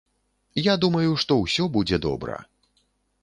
Я думаю, што ўсё будзе добра.